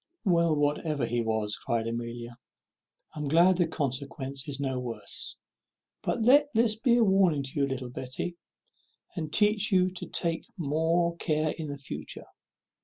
"Well, whatever he was," cries Amelia, "I am glad the consequence is no worse; but let this be a warning to you, little Betty, and teach you to take more care for the future.